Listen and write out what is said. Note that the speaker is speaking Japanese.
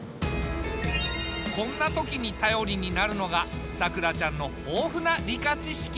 こんな時に頼りになるのがさくらちゃんの豊富な理科知識。